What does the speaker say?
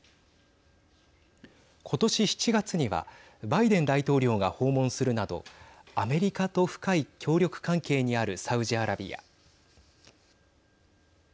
今年７月にはバイデン大統領が訪問するなどアメリカと深い協力関係にあるサウジアラビア。